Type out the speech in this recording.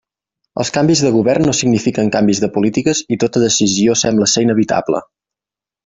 Els canvis de govern no signifiquen canvis de polítiques i tota decisió sembla ser inevitable.